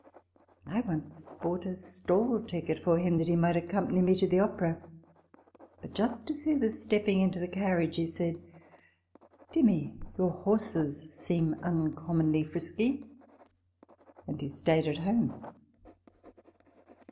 I once bought a stall ticket for him, that he might accom pany me to the Opera ; but, just as we were step ping into the carriage, he said, " Dear me, your horses seem uncommonly frisky "; and he stayed at home.